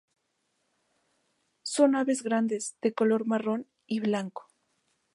Son aves grandes, de color marrón y blanco.